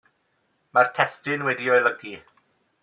Mae'r testun wedi'i olygu.